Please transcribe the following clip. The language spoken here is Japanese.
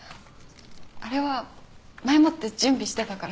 あれは前もって準備してたから。